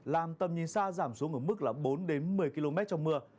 làm tầm nhìn xa giảm xuống ở mức là bốn đến một mươi km trong mưa